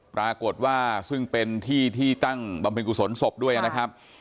ปรากฏว่าซึ่งเป็นที่ที่ตั้งบำเพ็ญกุศลศพด้วยนะครับ